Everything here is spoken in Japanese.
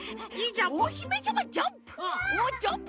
おひめさまジャンプ！